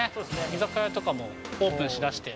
居酒屋とかもオープンしだして。